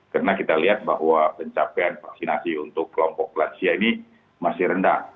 karena kita lihat bahwa pencapaian vaksinasi untuk kelompok lansia ini masih rendah